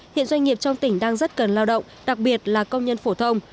hiện doanh nghiệp trong tỉnh đang rất cần lao động đặc biệt là công nhân phổ thông